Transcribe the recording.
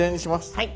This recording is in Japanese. はい。